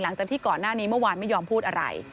หลังจากที่ก่อนหน้านี้เมื่อวานไม่ยอมพูดอะไร